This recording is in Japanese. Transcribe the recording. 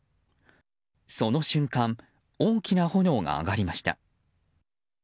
その瞬間大きな炎が上がりました。